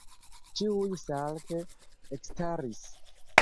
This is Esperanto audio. Ĉiuj salte ekstaris.